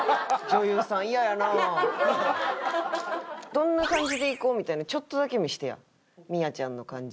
どんな感じでいこうみたいなのちょっとだけ見してや深愛ちゃんの感じ。